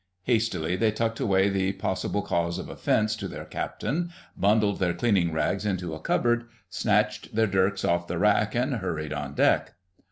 Hastily they tucked away the possible cause of offence to their Captain, bundled their cleaning rags into a cupboard, snatched their dirks off the rack, and hurried on deck.